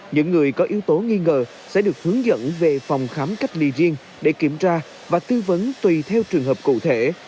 những người có yếu tố nghi ngờ sẽ được hướng dẫn về phòng khám cách ly riêng để kiểm tra và tư vấn tùy theo trường hợp cụ thể